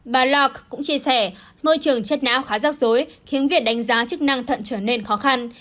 bà loc cũng chia sẻ môi trường chất não khá rắc rối khiến việc đánh giá chức năng thận trở nên khó khăn